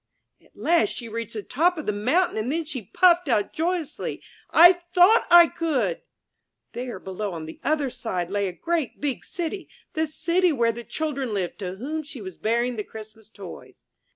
'* At last she reached the top of the mountain and then she puffed out joyously, "I THOUGHT I COULD r There, below on the other side lay a great, big city, the city where the children lived to whom she was bearing the Christmas toys.